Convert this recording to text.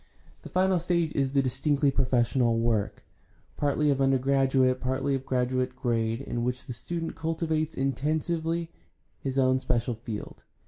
The final stage is the distinctly professional work, partly of undergraduate, partly of graduate grade, in which the student cultivates intensively his own special field.